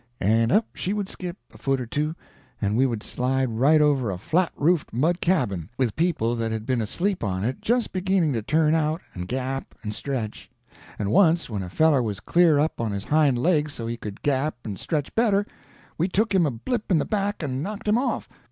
and up she would skip, a foot or two, and we would slide right over a flat roofed mud cabin, with people that had been asleep on it just beginning to turn out and gap and stretch; and once when a feller was clear up on his hind legs so he could gap and stretch better, we took him a blip in the back and knocked him off.